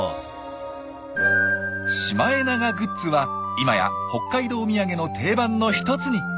シマエナガグッズは今や北海道土産の定番の一つに。